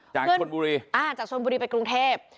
จากชนบุรีอ่าจากชนบุรีไปกรุงเทพ